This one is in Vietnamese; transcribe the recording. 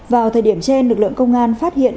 vào thời điểm trên lực lượng công an phát hiện